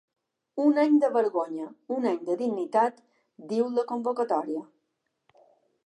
Un any de vergonya, un any de dignitat, diu la convocatòria.